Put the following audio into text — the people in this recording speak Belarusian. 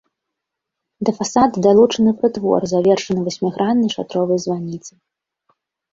Да фасада далучаны прытвор, завершаны васьміграннай шатровай званіцай.